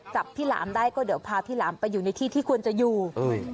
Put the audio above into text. จับพี่หลามได้ก็เดี๋ยวพาพี่หลามไปอยู่ในที่ที่ควรจะอยู่